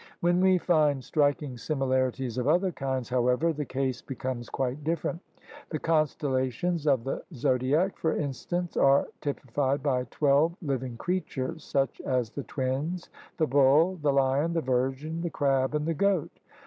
When we find striking similarities of other kinds, however, the case becomes quite different. The constellations of the zodiac, for instance, are typified by twelve living creatures, such as the twins, the bull, the Hon, the virgin, the crab, and the goat.